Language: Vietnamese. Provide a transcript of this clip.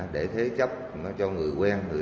để thế chấp cho người quen